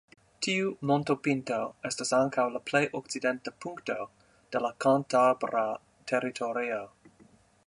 Tiu montopinto estas ankaŭ la plej okcidenta punkto de la kantabra teritorio.